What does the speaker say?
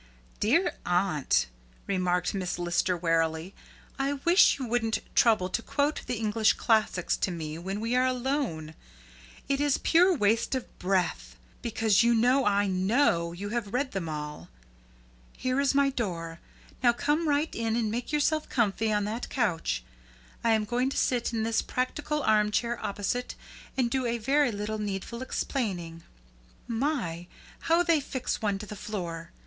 '" "Dear aunt," remarked Miss Lister wearily, "I wish you wouldn't trouble to quote the English classics to me when we are alone. It is pure waste of breath, because you see I KNOW you have read them all. Here is my door. Now come right in and make yourself comfy on that couch. I am going to sit in this palatial arm chair opposite, and do a little very needful explaining. My! How they fix one to the floor!